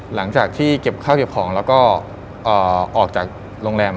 หลังจากที่เก็บข้าวเก็บของแล้วก็ออกจากโรงแรม